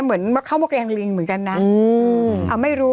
ถ้ามึงไม่ทำได้อย่างไรมึงตายไปแล้ว